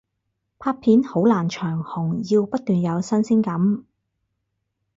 拍片好難長紅，要不斷有新鮮感